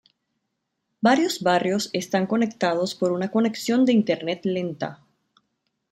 Varios barrios están conectados por una conexión de Internet lenta.